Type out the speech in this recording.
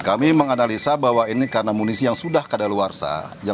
kami menganalisa bahwa ini karena munisi yang sudah keadaan luar sah